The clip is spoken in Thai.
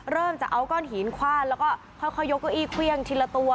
เริ่มจะเอาก้อนหินคว่านแล้วก็ค่อยยกเก้าอี้เครื่องทีละตัว